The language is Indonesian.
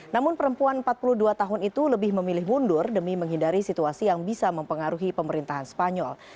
namun perempuan empat puluh dua tahun itu lebih memilih mundur demi menghindari situasi yang bisa mempengaruhi pemerintahan spanyol